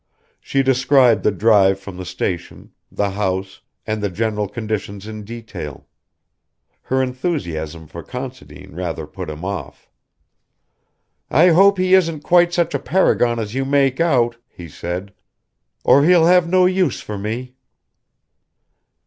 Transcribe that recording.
She described the drive from the station, the house, and the general conditions in detail. Her enthusiasm for Considine rather put him off. "I hope he isn't quite such a paragon as you make out," he said, "or he'll have no use for me."